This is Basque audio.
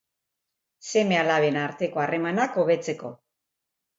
Seme-alaben arteko harremanak hobetzeko